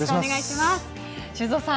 修造さん